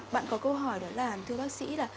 bạn có câu hỏi đó là thưa bác sĩ là